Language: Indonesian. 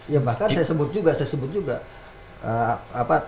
ya bahkan saya sebut juga